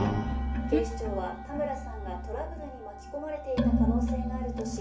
警視庁は田村さんがトラブルに巻き込まれていた可能性があるとし。